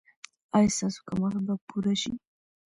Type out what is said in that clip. ایا ستاسو کمښت به پوره شي؟